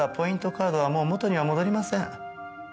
カードはもう元には戻りません。